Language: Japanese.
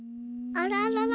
あららら？